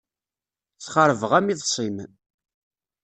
Sxeṛbeɣ-am iḍes-im.